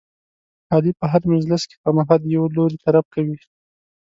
علي په هره مجلس کې خامخا د یوه لوري طرف کوي.